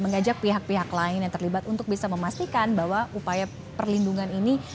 mengajak pihak pihak lain yang terlibat untuk bisa memastikan bahwa upaya perlindungan ini